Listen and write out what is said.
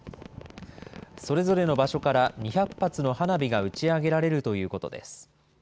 それぞれの場所から２００発の花火が打ち上げられるということです。